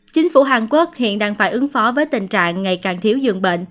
chính phủ hàn quốc hiện đang phải ứng phó với tình trạng ngày càng thiếu dường bệnh